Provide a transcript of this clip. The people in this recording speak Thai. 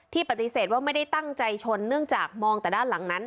ปฏิเสธว่าไม่ได้ตั้งใจชนเนื่องจากมองแต่ด้านหลังนั้น